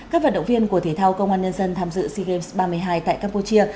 các vận động viên của thể thao công an nhân dân tham dự sea games ba mươi hai tại campuchia